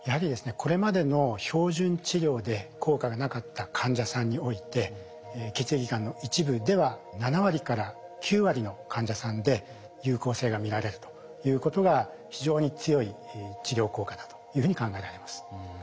これまでの標準治療で効果がなかった患者さんにおいて血液がんの一部では７割から９割の患者さんで有効性が見られるということが非常に強い治療効果だというふうに考えられます。